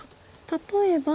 例えば。